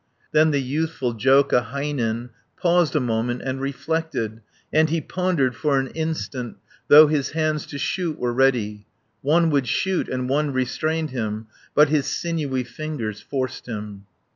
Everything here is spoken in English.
Then the youthful Joukahainen Paused a moment and reflected, 130 And he pondered for an instant, Though his hands to shoot were ready, One would shoot, and one restrained him, But his sinewy fingers forced him.